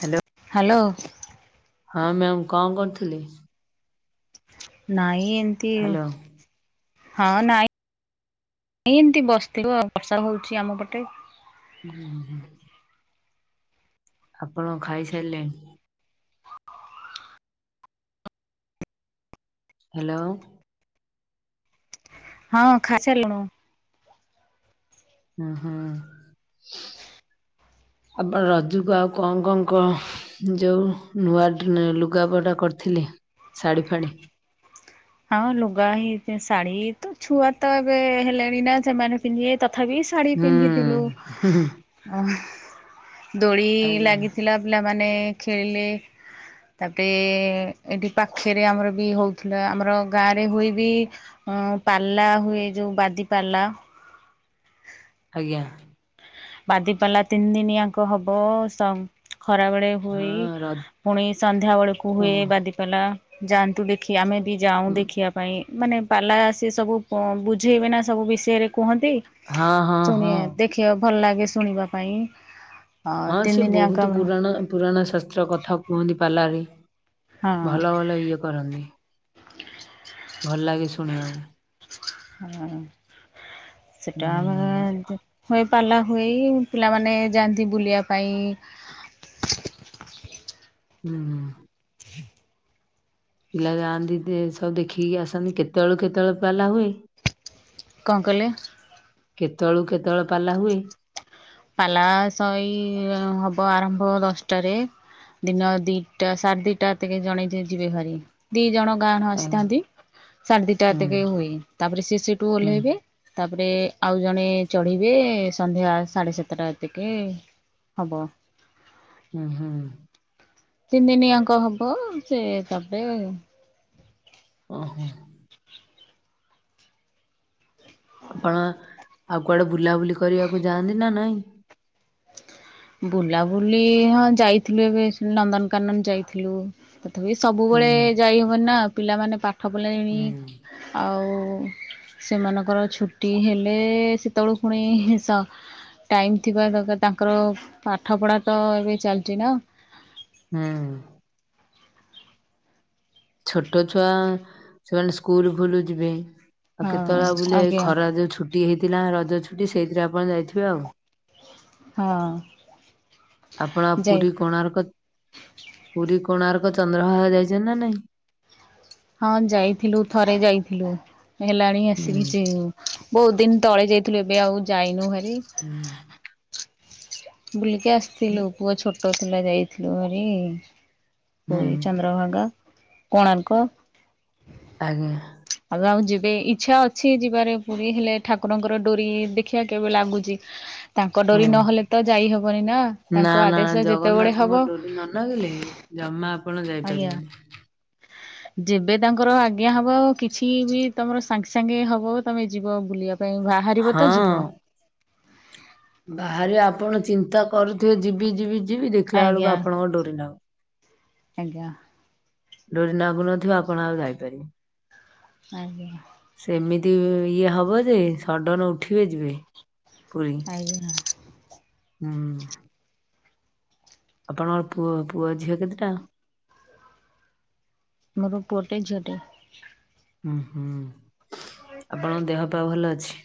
Hello. Hello. ହଁ ma'am କଣ କରୁଥିଲେ? ନାଇଁ ଏମିତି ହ୍ୟାଲୋ ହଁ, ନାଇଁ ଏମିତି ବସିଥିଲୁ ବର୍ଷା ହଉଛି ଆମ ପଟେ ହୁଁ ହୁଁ। ଆପଣ ଖାଇସାରିଲେଣି? ଉଁ ହ୍ୟାଲୋ। ହଁ ଖାଇସାରିଲୁଣୁ। ହଁ। [unintelligible] ଆପଣ ରଜକୁ ଆଉ କଁ କଁ କଁ ଯୋଉ ନୂଆ ଲୁଗା ପଟା କରିଥିଲି ଶାଢୀ ଫାଢୀ ହଁ ଲୁଗା ହେଇ ଶାଢୀ ତ ଛୁଆ ତ ଏବେ ହେଲେଣି ନା ସେମାନେ ପିନ୍ଧିବେ ତଥାପି ଶାଢ଼ୀ ହୁଁ ପିନ୍ଧିଥିଲୁ ହୁଁ ହୁଁ ଦୋଳି ଆଜ୍ଞା ଲାଗିଥିଲା। ପିଲାମାନେ ଖେଳିଲେ ତାପେ ଏଠି ପାଖରେ ଆମର ବି ହଉଥିଲା ଆମର ଆମର ଗାଁରେ ହୁଏ ବି ପାଲା ହୁଏ ଯୋଉ ବାଦି ପାଲା ଆଜ୍ଞା। ବାଦି ପାଲା ତିନି ଦିନି ଆକ ହବ ଖରା ବେଳେ ହୁଏ ହଁ ରଜ ପୁଣି ସନ୍ଧ୍ୟା ବେଳକୁ ହୁଏ ହଁ ବାଦି ପାଲା ଯାଆନ୍ତି ଦେ କି ଆମେଁ ବି ଯାଉଁ ଦେଖିବାକୁ। ପାଇଁ ମାନେ ପାଲା ସିଏ ସବୁ ବୁଝେଇବେନା ସବୁ ବିଷୟରେ କୁହନ୍ତି। ହଁ ହଁ ଶୁଣିବା ଦେଖିବା ଭଲ ଲାଗେ ଶୁଣିବା ପାଇଁ। ହଁ ସେ ତିନି ଦିନିଆ ବହୁତ କାମ। ପୁରାଣ ପୁରାଣ ଶାସ୍ତ୍ର କଥା କୁହନ୍ତି ପାଲାରେ ଭଲ ଭଲ ଇଏ କରନ୍ତି। ଭଲ ଲାଗେ ଶୁଣିବାକୁ। ହଁ ସେଟା ହୁଁ ଆମ ତି ହୋଇ ପାଲା ହୋଇ ପିଲାମାନେ ଯାଆନ୍ତି ବୁଲିବା ପାଇଁ। ଉଁ। ପିଲା ଯାଆନ୍ତି ଦି ସବୁ ଦେଖିକି ଆସନ୍ତି କେତେବେଳୁ କେତେବେଳେ ପାଲା ହୁଏ? କଣ କହିଲେ? କେତେବେଳୁ କେତେବେଳେ ପାଲା ହୁଏ? ପାଲା ଶଇ ହବ ଆରମ୍ଭ ଦଶଟାରେ। ଦିନ ଦିଟା ସାଢ଼େ ଦିଟା ଟିକେ ଜଣେ ଯିଏ ଯିବେ ଭାରି। ଦି ଜଣ ଗାହାଣ ଆଉ ଆସିଥାନ୍ତି ସାଢ଼େ ଦିଟା ହୁଁ ଟିକେ ହୁଏ। ତାପରେ ସିଏ ସେଠୁ ହୁଁ ଓହ୍ଲେଇବେ ତାପରେ ଆଉ ଜଣେ ଚଢ଼ିବେ ସନ୍ଧ୍ୟା ସାଢ଼େ ସା ତଟା ଟିକେ ହବ। ହୁଁ ହୁଁ। ତିନି ଦିନି ଆଙ୍କ ହବ ସେ ତାପରେ ଓହୋ। ଆପଣ ଆଉ କୁଆଡ଼େ ବୁଲାବୁଲି କରିବାକୁ ଯାଆନ୍ତି ନା ନାଇଁ? ବୁଲାବୁଲି ହଁ ଯାଇଥିଲୁ ଏବେ ନନ୍ଦନକାନନ ଯାଇଥିଲୁ। ତଥାପି ହୁଁ ସବୁବେଳେ ଯାଇ ହବନି ନା ପିଲାମାନେ ପାଠ ପଢ଼ିଲେଣି। ହୁଁ ଆଉ ସେମାନଙ୍କର ଛୁଟି ହେଲେ ସେତେବେଳକୁ ପୁଣି ସ ଟାଇମ୍ ଥିବା ଦକାର ତାଙ୍କର ପାଠପଢ଼ା ତ ଏବେ ଚାଲିଛି ନା। ହୁଁ। ଛୋଟ ଛୁଆ ସେମାନେ ସ୍କୁଲୁ ଫୁଲୁ ଯିବେ। ଆଉ ହଁ କେତେବେଳେ ଆଉ ବୁଲ ଏଇ ଆଜ୍ଞା ଖରା ଯୋଉ ଛୁଟି ହେଇଥିଲା ରଜ ଛୁଟି ସେଇଥିରେ ଆପଣ ଯାଇଥିବେ ଆଉ। ହଁ ଆପଣ ଯାଇ ପୁରୀ କୋଣାର୍କ ପୁରୀ କୋଣାର୍କ ଚନ୍ଦ୍ରଭାଗା ଯାଇଛନ୍ତି ନା ନାଇଁ? ହଁ ଯାଇଥିଲୁ ଥରେ ଯାଇଥିଲୁ ହେଲାଣି ହୁଁ ଆସିକି ସେ ବହୁତ ଦିନ୍ ତଳେ ଯାଇଥିଲୁ ଏବେ ଆଉ ଯାଇନୁ ହେରି। ହୁଁ। ବୁଲିକି ଆସିଥିଲୁ ପୁଅ ଛୋଟ ଥିଲା ଯାଇଥିଲୁ ହାରି। ହୁଁ ପୁରୀ ଚନ୍ଦ୍ରଭାଗା କୋଣାର୍କ। ଆଜ୍ଞା। ଏବେ ଆଉ ଯିବେ ଇଚ୍ଛା ଅଛି ଯିବାରେ ପୁରୀ ହେଲେ ଠାକୁରଙ୍କର ଡୋରି ଦେଖିଆ କେବେ ଲାଗୁଛି। ତାଙ୍କ ଡୋରି ହଁ ନହେଲେ ତ ଯାଇହବନି ନା ନା ତାଙ୍କ ନା ଆଦେଶ ଯେତେବେଳେ ଜଗନ୍ନାଥଙ୍କ ହବ। ଡୋରି ନ ନାଗିଲେ ଜମା ଆପଣ ଆଜ୍ଞା ଯାଇପାରିବେନି। ଯେବେ ତାଙ୍କର ଆଜ୍ଞା ହବ କିଛି ବି ତମର ସାଙ୍ଗେ ସାଙ୍ଗେ ହବ ତମେ ଯିବ ବୁଲିବା ପାଇଁ ବା ହାରିବ ତ ହଁ ଯିବ। ବାହାରେ ଆପଣ ଚିନ୍ତା କରୁଥିବେ ଯିବି ଯିବି ଯିବି ଦେ ଆଜ୍ଞା ଆଜ୍ଞା। ଡୋରି ନାଗୁ ନଥିବ ଆପଣ ଆଉ ଯାଇପାରିବେ। ଆଜ୍ଞା। ସେମିତି ଇଏ ହବ ଯେ ସଡ଼ନ ଉଠିବେ ଯିବେ। ପୁରୀ ଆଜ୍ଞା ହୁଁ। ଆପଣଙ୍କ ପୁଅ ପୁଅ ଝିଅ କେତେଟା? ମୋର ପୁଅଟେ ଝିଅଟେ। ଉଁ ହୁଁ ଆପଣଙ୍କ ଦେହ ପା ଭଲ ଅଛି?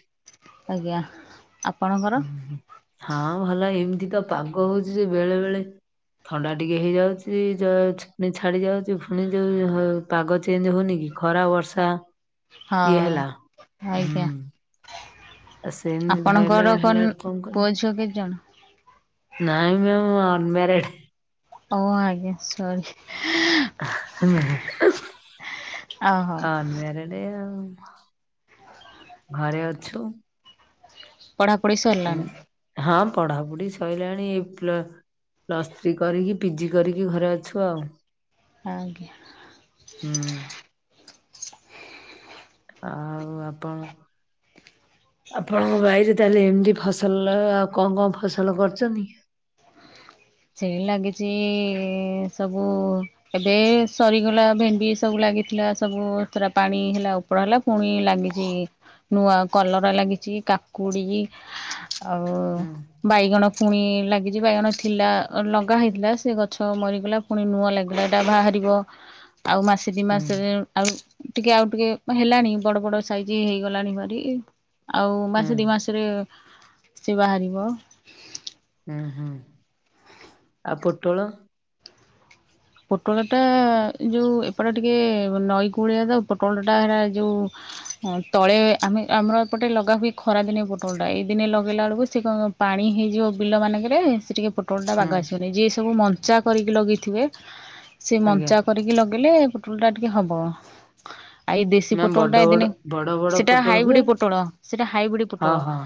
ଆଜ୍ଞା ଆପଣଙ୍କର? ହଁ ଭଲ ଏମିତି ତ ପାଗ ହଉଛି ଯେ ବେଳେ ବେଳେ ଥଣ୍ଡା ଟିକଏ ହେଇଯାଉଛି ଜ ପୁଣି ଛାଡ଼ିଯାଉଛି ପୁଣି ଜ୍ଵର ହ ପାଗ ଚେଞ୍ଜ ହଉନି କି ଖରା ବର୍ଷା ଇଏ ହଁ ହେଲା ହୁଁ। ଆଜ୍ଞା ଆଉ ସେମିତି ଧରିଲେ ହେଲା ଆଡୁ କଣ କରିବ? ଛୁଆ କେତେ ଜଣ? ନାଇଁ ମ୍ୟାମ ମୁ ଅନମ୍ୟାରେଡ। ଓ ଆଜ୍ଞା ସରି। [unintelligible] ଓହୋ ଅନମ୍ୟାରେଡ୍। ଏୟା ଆଉ, ଘରେ ଅଛୁ? ପଢ଼ାପଢ଼ି ସରିଲାଣି। ହଁ ପଢାପଢି ସରିଲାଣି ପ୍ଲ ପ୍ଲସ୍ ଥ୍ରୀ କରିକି ପିଜି କରିକି ଘରେ ଅଛୁ ଆଉ। ଆଜ୍ଞା। ହୁଁ। ଆଉ ଆପଣ? ଆପଣଙ୍କ ବାଇରେ ତାହେଲେ ଏମିତି ଫସଲ ଆଉ କଣ କଣ ଫସଲ କରୁଛନ୍ତି? ସେଇ ଲାଗିଛି ଇଁ ସବୁ ଏବେ ସରିଗଲା ଭେଣ୍ଡି ସବୁ ଲାଗିଥିଲା ସବୁ ପୁରା ପାଣି ହେଲା ଉ ଓପଡା ହେଲା ପୁଣି ଲାଗିଛି ନୂଆ କଲରା, ଲାଗିଛି କାକୁଡି। ଆଉ ହୁଁ ବାଇଗଣ ପୁଣି ଲାଗିଛି ବାଇଗଣ ଥିଲା। ଲଗା ହେଇଥିଲା ସେ ଗଛ ମରିଗଲା ପୁଣି ନୂଆଁ ଲାଗିଲାଇଟା ବାହାରିବ ଆଉ ମାସ ତିନି ହୁଁ ମାସରେ ଆଉ ଟିକେ ଆଉ ଟିକେ ହେଲାଣି ବଡ ବଡ ସାଇଜ ହେଇଗଲାଣି ଭାରି। ଆଉ ହୁଁ ମାସେ ଦିଇ ମାସରେ ସେ ବାହାରିବ। ହୁଁ ହୁଁ, ଆଉ ପୋଟଳ? ପୋଟଳଟା ଯୋଉ ଏପଟେ ଟିକେ ନଈ କୂଳିଆ ତ ପୋଟଳଟା ହେରା ଯୋଉ ହ ତଳେ ଆମେ ଆମର ଏପଟେ ଲଗା ହୁଏ ଖରାଦିନେ ପୋଟଳଟା ଏଇ ଦିନେ ଲଗେଇଲା ବେଳକୁ ସେ କ ପାଣି ହେଇଯିବ ବିଲ ମାନଙ୍କରେ ସେ ଟିକିେ ପୋଟଲଟା ହୁଁ ବାଗ ଆସିବନି ଯିଏ ସବୁ ମଞ୍ଚା କରିକି ଲଗେଇଥିବେ ସେ ଆଜ୍ଞା ମଞ୍ଚା କରିକି ଲଗେଇଲେ ପୋଟଳ ଟା ଟିକେ ହବ। ଆ ଏଇ ଦେଶୀ ମ୍ୟାମ୍ ପୋଟଳ ବଡ ଟା ବଡ ଏଇଦିନେ ବଡ ବଡ ସେଟା ପୋଟଳ ହୁଏ ହାଇବ୍ରିଡ ପୋଟଳ ସେଟା ହାଇବ୍ରିଡ ହଁ ପୋଟଳ। ହଁ।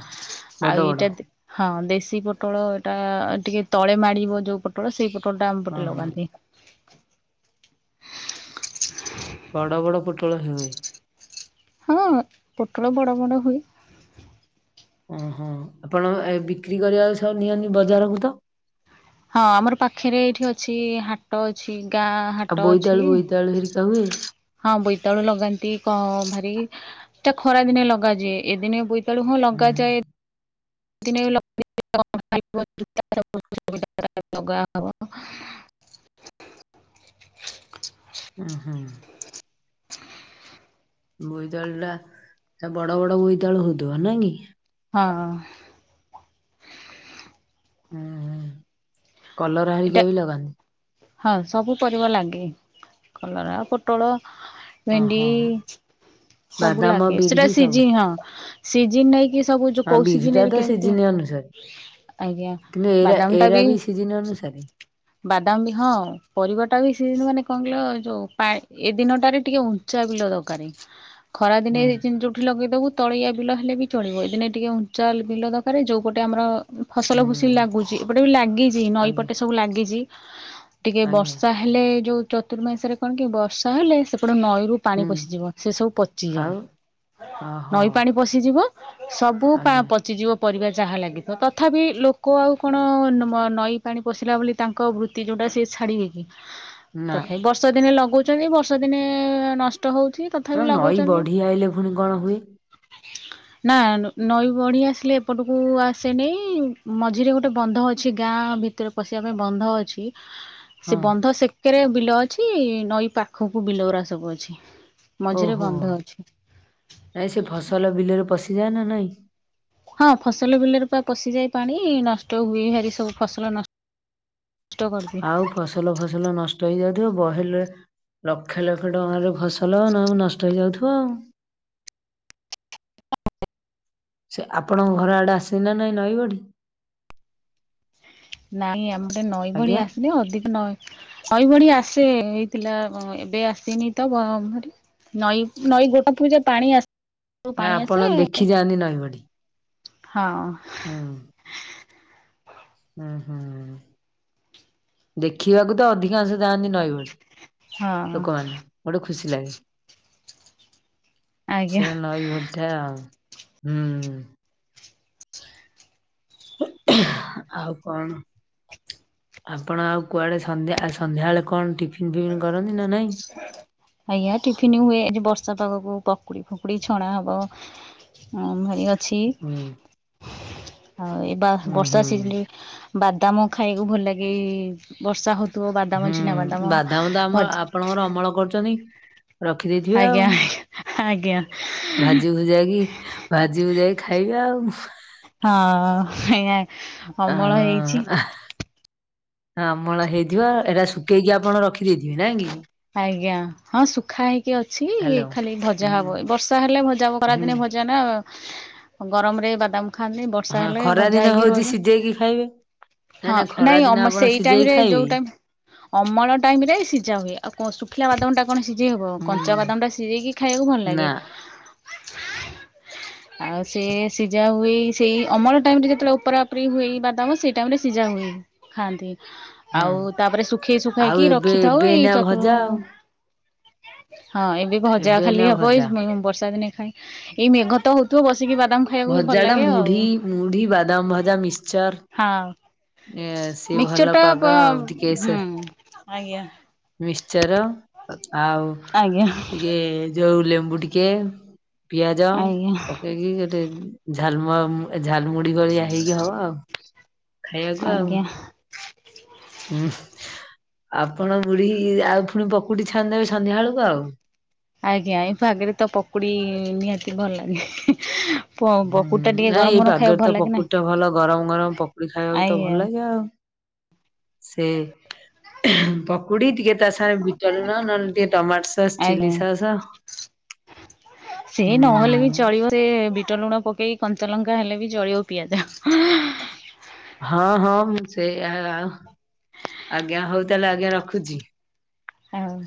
ବଡ ଆଉ ବଡ ଏଇଟା ହଁ ଦେଶୀ ପୋଟଳ ଏଇଟା ଟିକେ ତଳେ ମାଡ଼ିବ ଯୋଉ ପୋଟଳ ସେ ପୋଟଳ ଆମ ହଁ ପଟେ ହଁ ଲଗାନ୍ତି। ବଡ଼ ବଡ଼ ପୋଟଳ ହୁଏ। ହୁଁ ପୋଟଳ ବଡ଼ ବଡ଼ ହୁଏ। ଓହୋ ଆପଣ ଏ ବିକ୍ରି କରିବାକୁ ସବୁ ନିଅନ୍ତିି ବଜାରକୁ ତ? ହଁ ଆମର ପାଖରେ ଏଇଠି ଅଛି ହାଟ ହାଟ ଅଛି, ଗାଁ ଆଉ ହାଟ ଅଛି। ବୋଇତାଳୁ ବୋଇତାଳୁ ହେରିକା ହୁଏ ହଁ ବୋଇତାଳୁ ଲଗାନ୍ତି କ ଭାରି ତା ଖରା ଦିନେ ଲଗାଜାଏ, ଏ ଦିନେ ବୋଇ ବୋଇତାଳୁ ହଁ ହୁଁ ଲଗାଯାଏ। [unintelligible] ଲଗା ହବ। [unintelligible] ଉଁ ହୁଁ। ବୋଇତାଳୁ ଟା ତା ବଡ ବଡ ବୋଇତାଳୁ ହଉଥିବ ନୁହେଁ କି? ହଁ। ହୁଁ ହୁଁ କଲରା ଏଟା ହରିକି ବି ଲଗାନ୍ତି। ହଁ ସବୁ ପରିବା ଲାଗେ କଲରା ଆଉ ପୋଟଳ। ହଁ ଭେଣ୍ଡି ହଁ ସବୁ ବାଦାମ ଲାଗେ, ସେଟା ବିରି ସବୁ। ସିଜି ହଁ ସିଜିନ୍ ନେଇକି ସବୁ ଯଉ ହଁ ବିରିଟା କୌସିଜିନ ରେ ତ କେମିତିଆ? ସିଜିନି ଅନୁସାରେ ଆଜ୍ଞା କିନ୍ତୁ ଏରା ବାଦାମ ଟା ଏରା ବି ସିଜିନି ଅନୁସାରେ ବାଦାମ ବି? ହଁ ପରିବାଟା ବି ସେଦିନ ମାନେ କଣ କହିଲ ଯେଉଁ ପା ଏ ଦିନଟାରେ ଟିକେ ଉଞ୍ଚା ବିଲ ଦରକାର। ଖରା ଦିନେ ହୁଁ ଚିନି ଉଠି ଲଗେଇଦବୁ। ତଳିଆ ବିଲ ହେଲେ ବି ଚଳିବ ଏଇଦିନେ ଟିକେ ଉଞ୍ଚାଲ ବିଲ ଦରକାର ଯୋଉ ପଟେ ଆମର ଫସଲ ଭୁସି ହୁଁ। ଲାଗୁଛି ଏପଟେ ବି ଲାଗିଛି ନଈ ଆଜ୍ଞା ପଟେ ସବୁ ଲାଗିଛି। ଟିକେ ଆଜ୍ଞା ବର୍ଷା ହେଲେ ଯୋଉ ଚତୁର୍ମାଶରେ କଣ କି ବର୍ଷା ହେଲେ ସେପଟେ ନଈରୁ ହୁଁ ପାଣି ପଶିଯିବ ସେ ସବୁ ପଚିଯାଏ। ଆଉ ଓହୋ ନଈ ପାଣି ପଶିଯିବ ସବୁ ପା ଆଜ୍ଞା ପଚିଯିବ। ପରିବା ଯାହା ଲାଗିଥିବ ତଥାପି ଲୋକ ଆଉ କଣ ନଈ ପାଣି ପଶିଲା ବୋଲି ତାଙ୍କ ବୃତ୍ତି ଯୋଉଟା ସେ ଛାଡ଼ିବେକି ନା ତଥାପି ବର୍ଷା ଦିନେ ଲଗଉଚନ୍ତି ବର୍ଷା ଦିନେ ନଷ୍ଟ ହଉଛି। ତଥାପି ନା ନଈ ଲଗଉଛନ୍ତି ବଢ଼ି ଆଇଲେ ଫୁଣି କଣ ହୁଏ? [inaudible] ନା ନଈ ବଢ଼ ଆସିଲେ ଏପଟକୁ ଆସେନି ମଝିରେ ଗୋଟେ ବନ୍ଧ ଅଛି ଗାଁ ଭି ତରେ ପଶିବା ପାଇଁ ବନ୍ଧ ଅଛି। ସେ ହଁ ବନ୍ଧ ସେକେରେ ବିଲ ଅଛି ନଈ ପାଖକୁ ବିଲଉରା ସବୁ ଅଛି। ମଝିରେ ଓହୋ ବନ୍ଧ ଅଛି ଇଁ ସେ ଫସଲ ବିଲରେ ପଶିଯାଏ ନା ନାଇଁ? ହଁ ଫସଲ ବିଲରେ ପା ପଶିଯାଏ ପାଣି ନଷ୍ଟ ହୁଏ ହାରି ସବୁ ଫସଲ ନଷ୍ ଟ କରିଦିଏ। ଆଉ ଫସଲ ଫସଲ ନଷ୍ଟ ହେଇଯାଉଥିବ ବହେଲେ ଲକ୍ଷ ଲକ୍ଷ ଟଙ୍କାର ଫସଲ ନ ନଷ୍ଟ ହେଇଯାଉଥିବ ଆଉ। ସେ ଆପଣଙ୍କ ଘର ଆଡ଼େ ଆସେନା ନାଇଁ ନଈ ବଢ଼ି? ନାଇଁ ଆମ ପଟେ ନଈ ବଡ଼ି ଆଜ୍ଞା ଆସନି ଅଧିକ ନଈ ଅଇ ବଢ଼ି ଆସେ ହେଇଥିଲା ଏବେ ଆସିନି ତ ବ ବରି। ନଈ ନଈ ଗୋଟା ପୂଜା ପାଣି ଆସ୍ ନା ଆପଣ ଦେଖିଯାଆନ୍ତି ନଈବଢ଼ି? ହଁ। ଉଁ। ଉଁ ହୁଁ ଦେଖିବାକୁ ତ ଅଧିକାଂଶ ଯାଆନ୍ତି ନଈ ବଢ଼ି। ହଁ ଲୋକମାନେ ଗୋଟେ ଖୁସି ଲାଗେ ଆଜ୍ଞା ସେଣେ ନଈ ବଢ଼ି ଟା ହୁଁ। ଆଉ କଣ? ଆପଣ ଆଉ କୁଆଡ଼େ ସନ୍ଧ୍ୟା ସନ୍ଧ୍ୟା ବେଳେ କଣ ଟିଫିନ ଫିଫିନ କରନ୍ତି ନା ନାଇଁ? ଆଜ୍ଞା ଟିଫିନ ହୁଏ ଆଜି ବର୍ଷା ପାଗକୁ ପକୁଡ଼ି ଫକୁଡ଼ି ଛଣା ହବ। ହଁ ହେଇ ଅଛି ହୁଁ ହଁ ଏଇ ବା ହୁଁ ବର୍ଷା ହୁଁ ଶିଜିନି ବାଦାମ ଖାଇବୁ ଭଲ ଲାଗେ ବର୍ଷା ହଉଥିବ ବାଦାମ ଚିନାବାଦାମ। ତାମ ତ ଆମ ଆପଣଙ୍କର ଅମଳ କରୁଚନ୍ତି ରଖିଦେଇଥିବେ ଆଉ। ଆଜ୍ଞା ଆଜ୍ଞା। ଭାଜି ଭୁଜାକି ଭାଜି ଭୁଜାକି ଖାଇବେ ଆଉ। ହଁ ହେୟାଁ। ଆଁ ଅମଳ ହେଇଥିବ ଏଇଟା ଶୁଖେଇକି ଆପଣ ରଖିଦେଇଥିବେ ନାଇଁ କି? ଆଜ୍ଞା ହଁ ସୁଖା ହେଇକି ଅଛି ହ୍ୟାଲୋ ଖାଲି ଭଜା ହୁଁ ହବ ଏ ବର୍ଷା ହେଲେ ଭଜା ହବ ହୁଁ। ଖରାଦିନେ ଭଜା ନା ନା ଗରମରେ ବାଦାମ ଖାଆନ୍ତି ବ ଷା ହଁ ହେଲେ ଖରା ଭଜା ଦିନ ହେଇକି ହଉଛି ରୁହେ। ସିଝେଇକି ଖାଇବେ ହଁ ଖରା ନାଇଁ ଦିନ ଅମ ଆପଣ ସେଇ ସିଝେଇକି ଟାଇମରେ ଯୋଉ ଖାଇବେ? ଟାଇମ୍ ଅମଳ ଟାଇମରେ ସିଝା ହୁଏ ଆଉ କ ଶୁଖିଲା ବାଦାମଟା କଣ ସିଝେଇ ହବ କଞ୍ଚା ହୁଁ ବାଦାମଟା ସିଝେଇକି ଖାଇବାକୁ ଭଲ ନା ଲାଗେ। [unintelligible] ଆଉ ସେ ସିଜା ହୁଏ ସେଇ ଅମଳ ଟାଇମ୍ ରେ ଯେତେବେଳେ ଓପରା ଓପରି ହୁଏ ବାଦାମ ସେଇ ଟାଇମରେ ସିଜା ହୁଏ। ଖାଆନ୍ତି ଆଉ ହଁ। ତାପରେ ଶୁଖେଇ ଶୁଖାକି ରଖିଥାଉ ଏଇ ଚ ଯାଉ। ହଁ ଏବେ ଭଜା ଏଇନା ଖାଲି ହବ ଭଜା। ଏଇ ବର୍ଷା ଦିନେ ଖାଇ। ଏଇ ମେଘ ତ ହଉଥିବ ବସିକି ବାଦାମ ଖାଇବାକୁ ଭଲ ଭଜା ଟା ଲାଗେ ମୁଢ଼ି ଆଉ ମୁଢ଼ି ବାଦାମ ଭଜା ମିଶ୍ଚର୍ ହଁ ମିକ୍ଚର ଟା ପାଗ ପ ଆଉ ହୁଁ ଆଜ୍ଞା। ମିକ୍ଚର ଆଉ ଆଜ୍ଞା ଇଏ ଯୋଉ ଲେମ୍ବୁ ଟିକିଏ ପିଆଜ ଆଜ୍ଞା ପକେଇକି ଗୋଟେ ଝାଲମ ଝାଲ ମୁୁଡି ଭଳିଆ ହେଇକି ହବ ଆଉ। ଖାଇବାକୁ ଆଉ। ଆଜ୍ଞା ହୁଁ ଆପଣ ମୁଢୀ ଆଉ ଫୁଣି ପକୁଡି ଛାଣିଦେବେ ସନ୍ଧ୍ୟା ବୁଳୁକୁ ଆଉ। ଆଜ୍ଞା ଏ ଆଗରେ ତ ପକୁଡି ନିହାତି ଭଲ ଲାଗେ। ହୁଁ ପକୁଡି ଟା ଟିକେ ନାଇଁ ଗରମ ଏଇ ଗରମ ଖାଇବାକୁ ପାଗରେ ଭଲ ତ ଲାଗେ ନା ପକୁଡି ଟା ଭଲ ଗରମ ଗରମ ପକୁଡି ଖାଇବାକୁ ତ ଆଜ୍ଞା ଭଲ ଲାଗେ ଆଉ। ସେ ପକୁଡି ଟିକେ ତା ସାଙ୍ଗେ ବିଟ ଲୁଣ ନହେଲେ ଟିକେ ଟମାଟ ସସ୍ ଚିଲି ଆଜ୍ଞା ସସ୍ ସେ ହୁଁ ନହେଲେ ବି ଚଳିବ। ସେ ବିଟ ଲୁଣ ପକେଇ କଞ୍ଚା ଲଙ୍କା ହେଲେ ବି ଚଳିବ ପିଆଜ। ହଁ ହଁ ମୁଁ ସେଇଆ ଆଜ୍ଞା ହଉ ତାହେଲେ ଆଜ୍ଞା ରଖୁଚି। ହଉ।